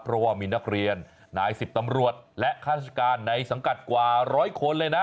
เพราะว่ามีนักเรียนนายสิบตำรวจและข้าราชการในสังกัดกว่าร้อยคนเลยนะ